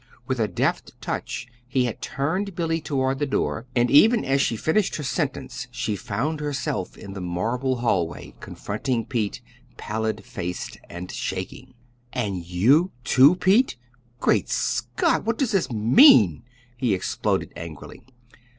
With a deft touch he had turned Billy toward the door; and even as she finished her sentence she found herself in the marble hallway confronting Pete, pallid faced, and shaking. "And you, too, Pete! Great Scott! what does this mean?" he exploded angrily.